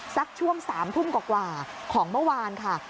สักช่วง๓ทุ่มกว่าของเมื่อวานค่ะ